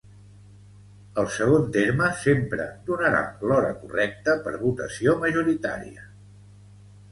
El segon terme sempre donarà l'hora correcta per votació majoritària.